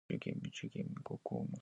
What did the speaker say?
¿Meenim quih me tahcooz?